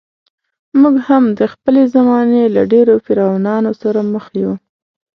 موږ هم د خپلې زمانې له ډېرو فرعونانو سره مخ یو.